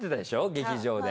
劇場で。